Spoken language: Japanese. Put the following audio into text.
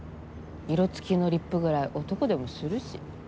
色つきのリップぐらい男でもするし。